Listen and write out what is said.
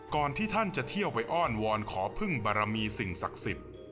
ที่ท่านจะเที่ยวไปอ้อนวอนขอพึ่งบารมีสิ่งศักดิ์สิทธิ์